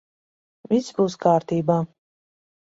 Viss būs kārtībā.